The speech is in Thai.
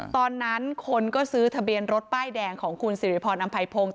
ตอนนั้นคนก็ซื้อทะเบียนรถป้ายแดงของคุณสิริพรอำไพพงศ์